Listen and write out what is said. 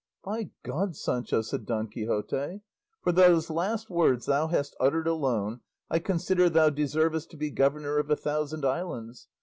"By God, Sancho," said Don Quixote, "for those last words thou hast uttered alone, I consider thou deservest to be governor of a thousand islands.